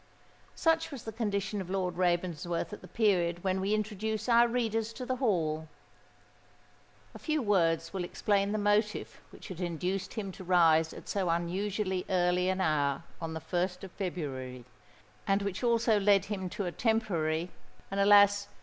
Such was the condition of Lord Ravensworth at the period when we introduce our readers to the Hall. A few words will explain the motive which had induced him to rise at so unusually early an hour on the 1st of February, and which also led him to a temporary, and, alas!